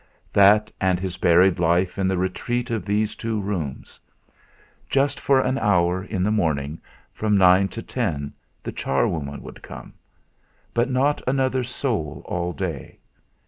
That, and his buried life in the retreat of these two rooms. Just for an hour in the morning, from nine to ten, the charwoman would come, but not another soul all day.